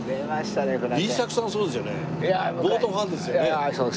Ｂ作さんもそうですよね？